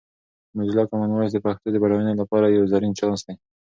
موزیلا کامن وایس د پښتو د بډاینې لپاره یو زرین چانس دی.